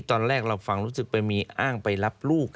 ตอนแรกเราฟังรู้สึกไปมีอ้างไปรับลูก